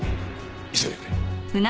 急いでくれ。